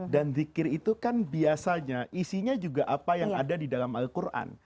dan zikir itu kan biasanya isinya juga apa yang ada di dalam al quran